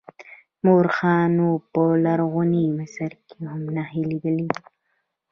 مورخانو په لرغوني مصر کې هم نښې لیدلې دي.